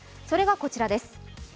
それがこちらです。